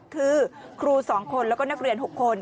คือครู๒คนแล้วก็นักเรียน๖คน